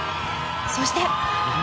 そして。